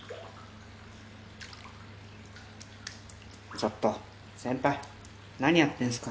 ちょっと先輩何やってんですか？